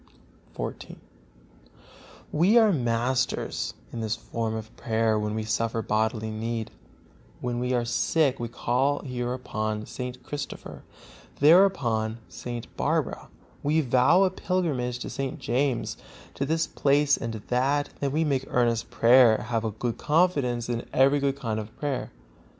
XIV. We are masters in this form of prayer when we suffer bodily need; when we are sick we call here upon St. Christopher, there upon St. Barbara; we vow a pilgrimage to St. James, to this place and to that; then we make earnest prayer, have a good confidence and every good kind of prayer.